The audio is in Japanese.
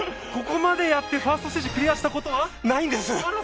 ここまでやってファーストステージクリアしたことは？ないんです。